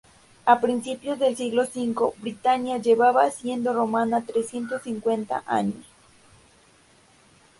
A principios del siglo V, Britania llevaba siendo romana trescientos cincuenta años.